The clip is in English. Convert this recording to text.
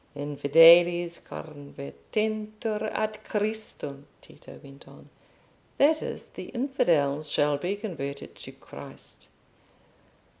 "Infideles convertentur ad Christum," Tito went on. "That is, the infidels shall be converted to Christ."